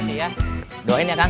nanti ya doain ya kang